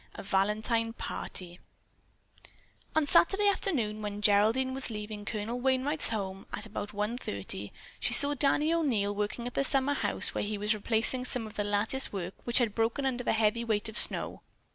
A VALENTINE PARTY On Saturday afternoon, when Geraldine was leaving Colonel Wainright's home at about one thirty, she saw Danny O'Neil working at the summer house, where he was replacing some of the lattice work which had broken under the heavy weight of snow.